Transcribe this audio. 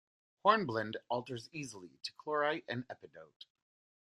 Hornblende alters easily to chlorite and epidote.